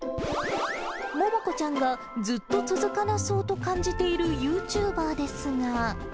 ももこちゃんがずっと続かなそうと感じているユーチューバーですが。